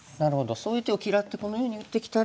そういう手を嫌ってこのように打ってきたら。